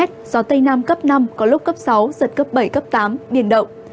gió tây nam cấp năm có lúc cấp sáu giật cấp bảy cấp tám biển động